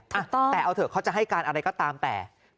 ถูกต้องแต่เอาเถอะเขาจะให้การอะไรก็ตามแต่